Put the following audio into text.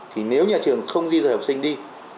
thì nếu nhà trường không di rời học sinh đi